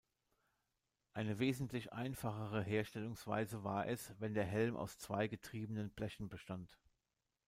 Eine wesentlich einfachere Herstellungsweise war es, wenn der Helm aus zwei getriebenen Blechen bestand.